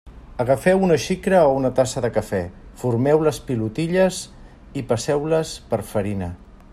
Agafeu una xicra o una tassa de cafè, formeu les pilotilles i passeu-les per farina.